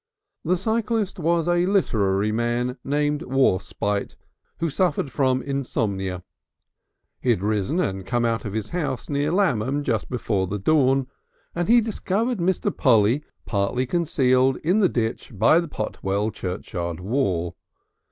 The cyclist was a literary man named Warspite, who suffered from insomnia; he had risen and come out of his house near Lammam just before the dawn, and he discovered Mr. Polly partially concealed in the ditch by the Potwell churchyard wall.